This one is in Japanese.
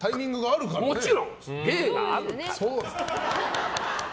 芸があるから。